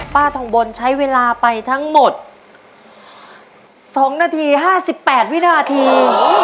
ป้าท้องบนใช้เวลาไปทั้งหมดสองนาทีห้าสิบแปดวินาที